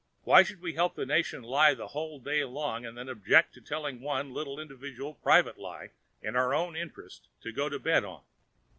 Why should we help the nation lie the whole day long and then object to telling one little individual private lie in our own interest to go to bed on?